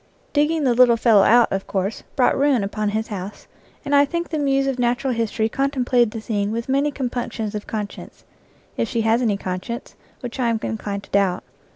Digging the little fellow out, of course, brought ruin upon his house, and I think the Muse of Natural History contemplated the scene with many com punctions of conscience, if she has any conscience, which I am inclined to doubt.